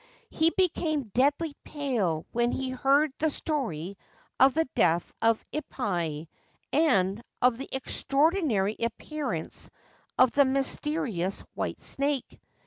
He became deadly pale when he heard the story of the death of Ippai and of the extraordinary appearance of the mysterious white snake.